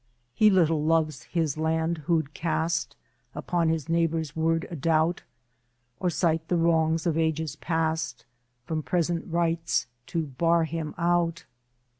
He little loves the land who'd cast Upon his neighbour's word a doubt, Or cite the wrongs of ages past From present rights to bar him out.